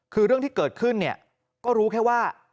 คือเรื่องที่เกิดขึ้นเนี่ยก็รู้แค่ว่า